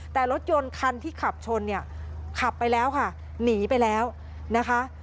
แต่รถยนต์คันที่ขับชนเนี่ยขับไปแล้วค่ะหนีไปแล้วนะคะ